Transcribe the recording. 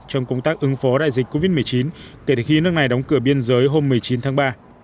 trong công tác ứng phó đại dịch covid một mươi chín kể từ khi nước này đóng cửa biên giới hôm một mươi chín tháng ba